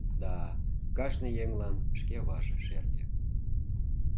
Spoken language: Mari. — Да, кажне еҥлан шке аваже шерге.